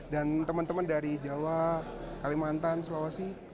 dan teman teman dari jawa kalimantan sulawesi